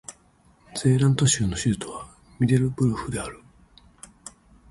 ゼーラント州の州都はミデルブルフである